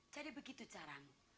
jadi begitu caramu